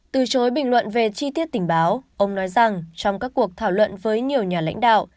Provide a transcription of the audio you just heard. trong một nối bình luận về chi tiết tình báo ông nói rằng trong các cuộc thảo luận với nhiều nhà lãnh đạo